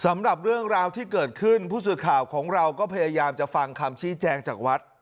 สำหรับเรื่องราวที่เกิดขึ้นผู้สื่อข่าวของเราก็พยายามจะฟังคำชี้แจงจากวัด